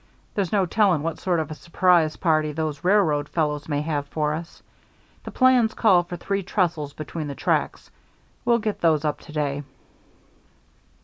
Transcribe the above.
There's no telling what sort of a surprise party those railroad fellows may have for us. The plans call for three trestles between the tracks. We'll get those up to day."